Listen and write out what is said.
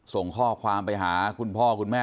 ส่งข้อความไปหาคุณพ่อคุณแม่